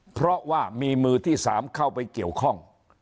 เพราะว่ามีมือที่๓เข้าไปเกี่ยวข้อง